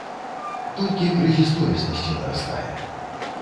Толькі крызіс тоеснасці нарастае.